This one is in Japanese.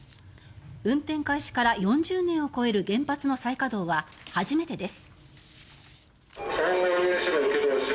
運転開始から４０年を超える原発の再稼働は初めてです。